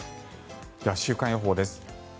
では、週間予報です。